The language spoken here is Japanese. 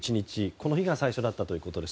この日が最初だったということです。